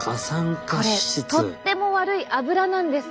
これとっても悪い脂なんです。